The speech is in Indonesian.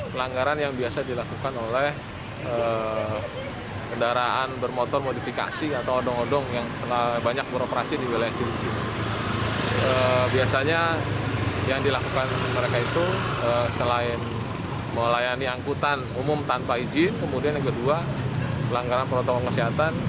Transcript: pelanggaran yang biasa dilakukan oleh kendaraan bermotor modifikasi